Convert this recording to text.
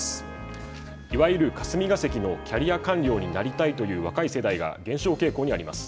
いわゆる霞が関のキャリア官僚になりたいという若い世代が減少傾向にあります。